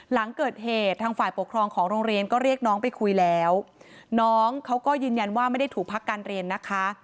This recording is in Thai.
หลังเกิดเหตุทางฝ่ายปกครองของโรงเรียนก็เรียกน้องไปคุยแล้วน้องเขาก็ยืนยันว่าไม่ได้ถูกพักการเรียนนะคะ